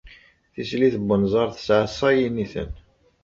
Tislit n wenẓar tesɛa sa yiniten.